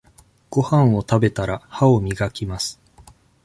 ごはんを食べたら、歯を磨きます。